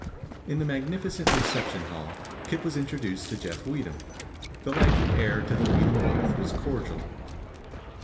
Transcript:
In the magnificent reception hall, Kip was introduced to Jeff Weedham. The lanky heir to the Weedham wealth was cordial.